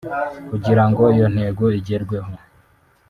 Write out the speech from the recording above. Kugira ngo iyo ntego igerweho